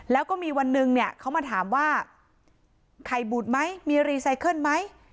แล้วก็มีวันหนึ่งเนี่ยเขามาถามว่าไข่บุตรไหมมีรีไซเคิลไหม